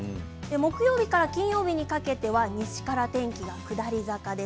木曜日から金曜にかけて西から天気が下り坂です。